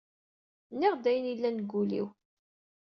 NniƔ-d ayen illan deg ul-iw.